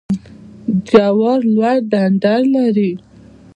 جوار لوړ ډنډر لري